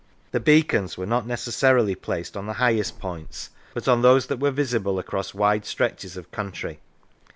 The beacons were not necessarily placed on the highest points, but on those that were visible across wide stretches of country.